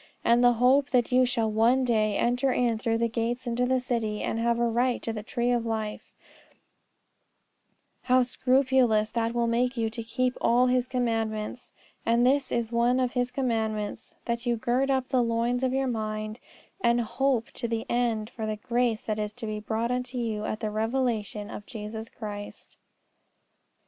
And the hope that you shall one day enter in through the gates into the city, and have a right to the tree of life, how scrupulous that will make you to keep all His commandments! And this is one of His commandments, that you gird up the loins of your mind, and hope to the end for the grace that is to be brought unto you at the revelation of Jesus Christ.